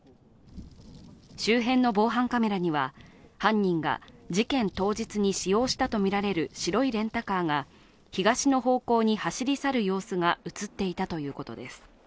周辺の防犯カメラには犯人が事件当日に使用したとみられる白いレンタカーが東の方向に走り去る様子が映っていたということです。